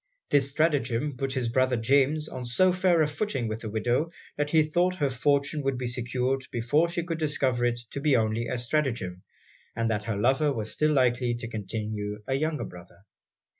This stratagem put his brother James on so fair a footing with the widow, that he thought her fortune would be secured before she could discover it to be only a stratagem, and that her lover was still likely to continue a younger brother.